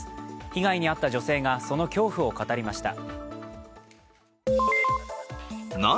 被害に遭った女性が、その恐怖を語りました。